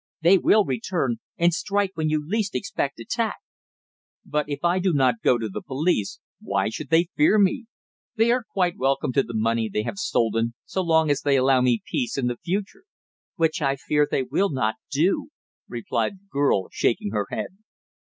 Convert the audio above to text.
"They will return, and strike when you least expect attack." "But if I do not go to the police, why should they fear me? They are quite welcome to the money they have stolen so long as they allow me peace in the future." "Which I fear they will not do," replied the girl, shaking her head.